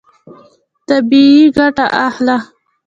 طبیعي ګټه اخله.